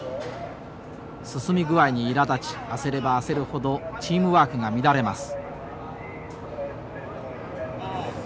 進み具合にいらだち焦れば焦るほどチームワークが乱れます。